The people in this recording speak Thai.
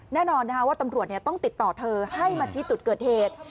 แน่นอนว่าตำรวจต้องติดต่อเธอให้มาชี้จุดเกิดเหตุ